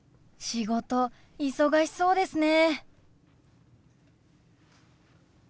仕事忙しそうですね。